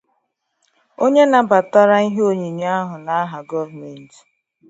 Onye nabatara ihe onyinye ahụ n'aha gọọmenti